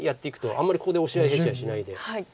あんまりここで押し合いへし合いしないで。